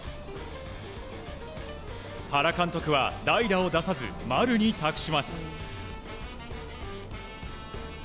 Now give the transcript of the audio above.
原監督は代打を出さず丸に託します。